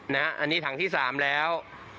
นะครับอันนี้ถังที่๓แล้ว